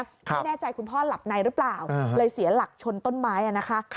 ไม่แน่ใจคุณพ่อหลับในหรือเปล่าเลยเสียหลักชนต้นไม้นะคะ